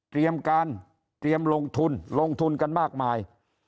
เตรียมการเตรียมลงทุนลงทุนกันมากมาย